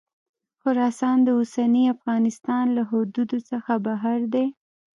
خراسان د اوسني افغانستان له حدودو څخه بهر دی.